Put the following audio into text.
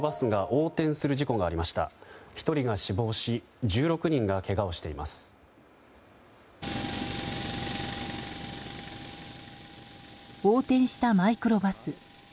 横転したマイクロバス。